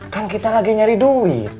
kan kita lagi nyari duit